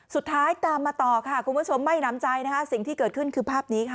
สุดท้ายตามมาต่อค่ะคุณผู้ชมไม่น้ำใจนะคะสิ่งที่เกิดขึ้นคือภาพนี้ค่ะ